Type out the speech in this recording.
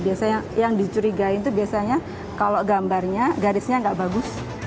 biasanya yang dicurigai itu biasanya kalau gambarnya garisnya nggak bagus